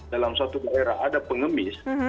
dalam suatu daerah ada pengemis